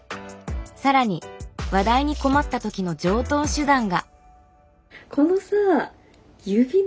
更に話題に困った時の常とう手段が。